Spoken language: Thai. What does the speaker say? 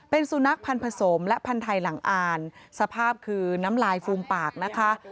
เป็นสุนัขพันธ์ผสมและพันธุ์ไทยหลังอ่านสภาพคือน้ำลายฟูมปากนะคะ